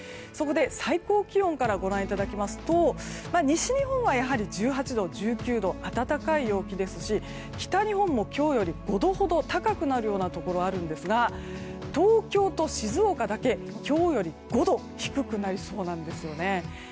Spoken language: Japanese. そこで最高気温からご覧いただきますと西日本はやはり１８度、１９度暖かい陽気ですし北日本も今日より５度ほど高くなるようなところがあるんですが東京と静岡だけ今日より５度低くなりそうなんです。